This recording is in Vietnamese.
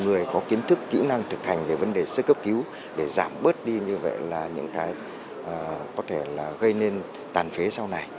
người có kiến thức kỹ năng thực hành về vấn đề sơ cấp cứu để giảm bớt đi như vậy là những cái có thể là gây nên tàn phế sau này